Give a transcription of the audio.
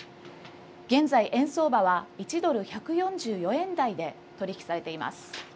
現在、円相場は１ドル１４４円台で取り引きされています。